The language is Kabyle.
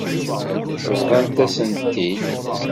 Bḍant-asen-t-id.